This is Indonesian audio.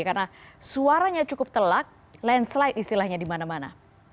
karena suaranya cukup telak landslide istilahnya di mana mana